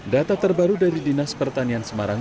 data terbaru dari dinas pertanian semarang